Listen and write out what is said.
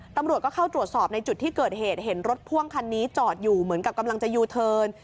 ตำรวจก็เข้าตรวจสอบในจุดที่เกิดเหตุเห็นรถพ่วงคันนี้จอดอยู่เหมือนกับกำลังจะยูเทิร์น